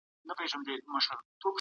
ایا ملي بڼوال وچه میوه اخلي؟